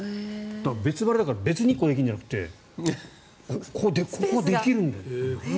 別腹だから別に１個できるんじゃなくてここができるんだよ。